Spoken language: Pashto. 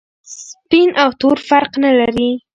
سپین او تور فرق نلري.